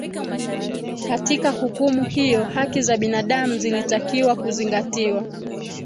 katika hukumu hiyo haki za binadamu zilitakiwa kuzingatiwa